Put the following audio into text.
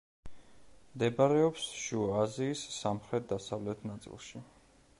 მდებარეობდა შუა აზიის სამხრეთ-დასავლეთ ნაწილში.